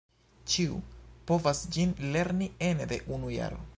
Ĉiu povas ĝin lerni ene de unu jaro.